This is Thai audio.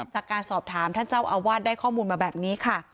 จากการสอบถามท่านเจ้าอาวาสได้ข้อมูลมาแบบนี้ค่ะ